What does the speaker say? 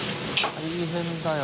大変だよ。